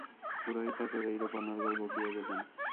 পুরোহিত ঠাকুর এইরূপ অনর্গল বকিয়া গেলেন।